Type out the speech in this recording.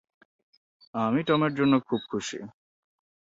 আমি টমের জন্য খুব খুশি।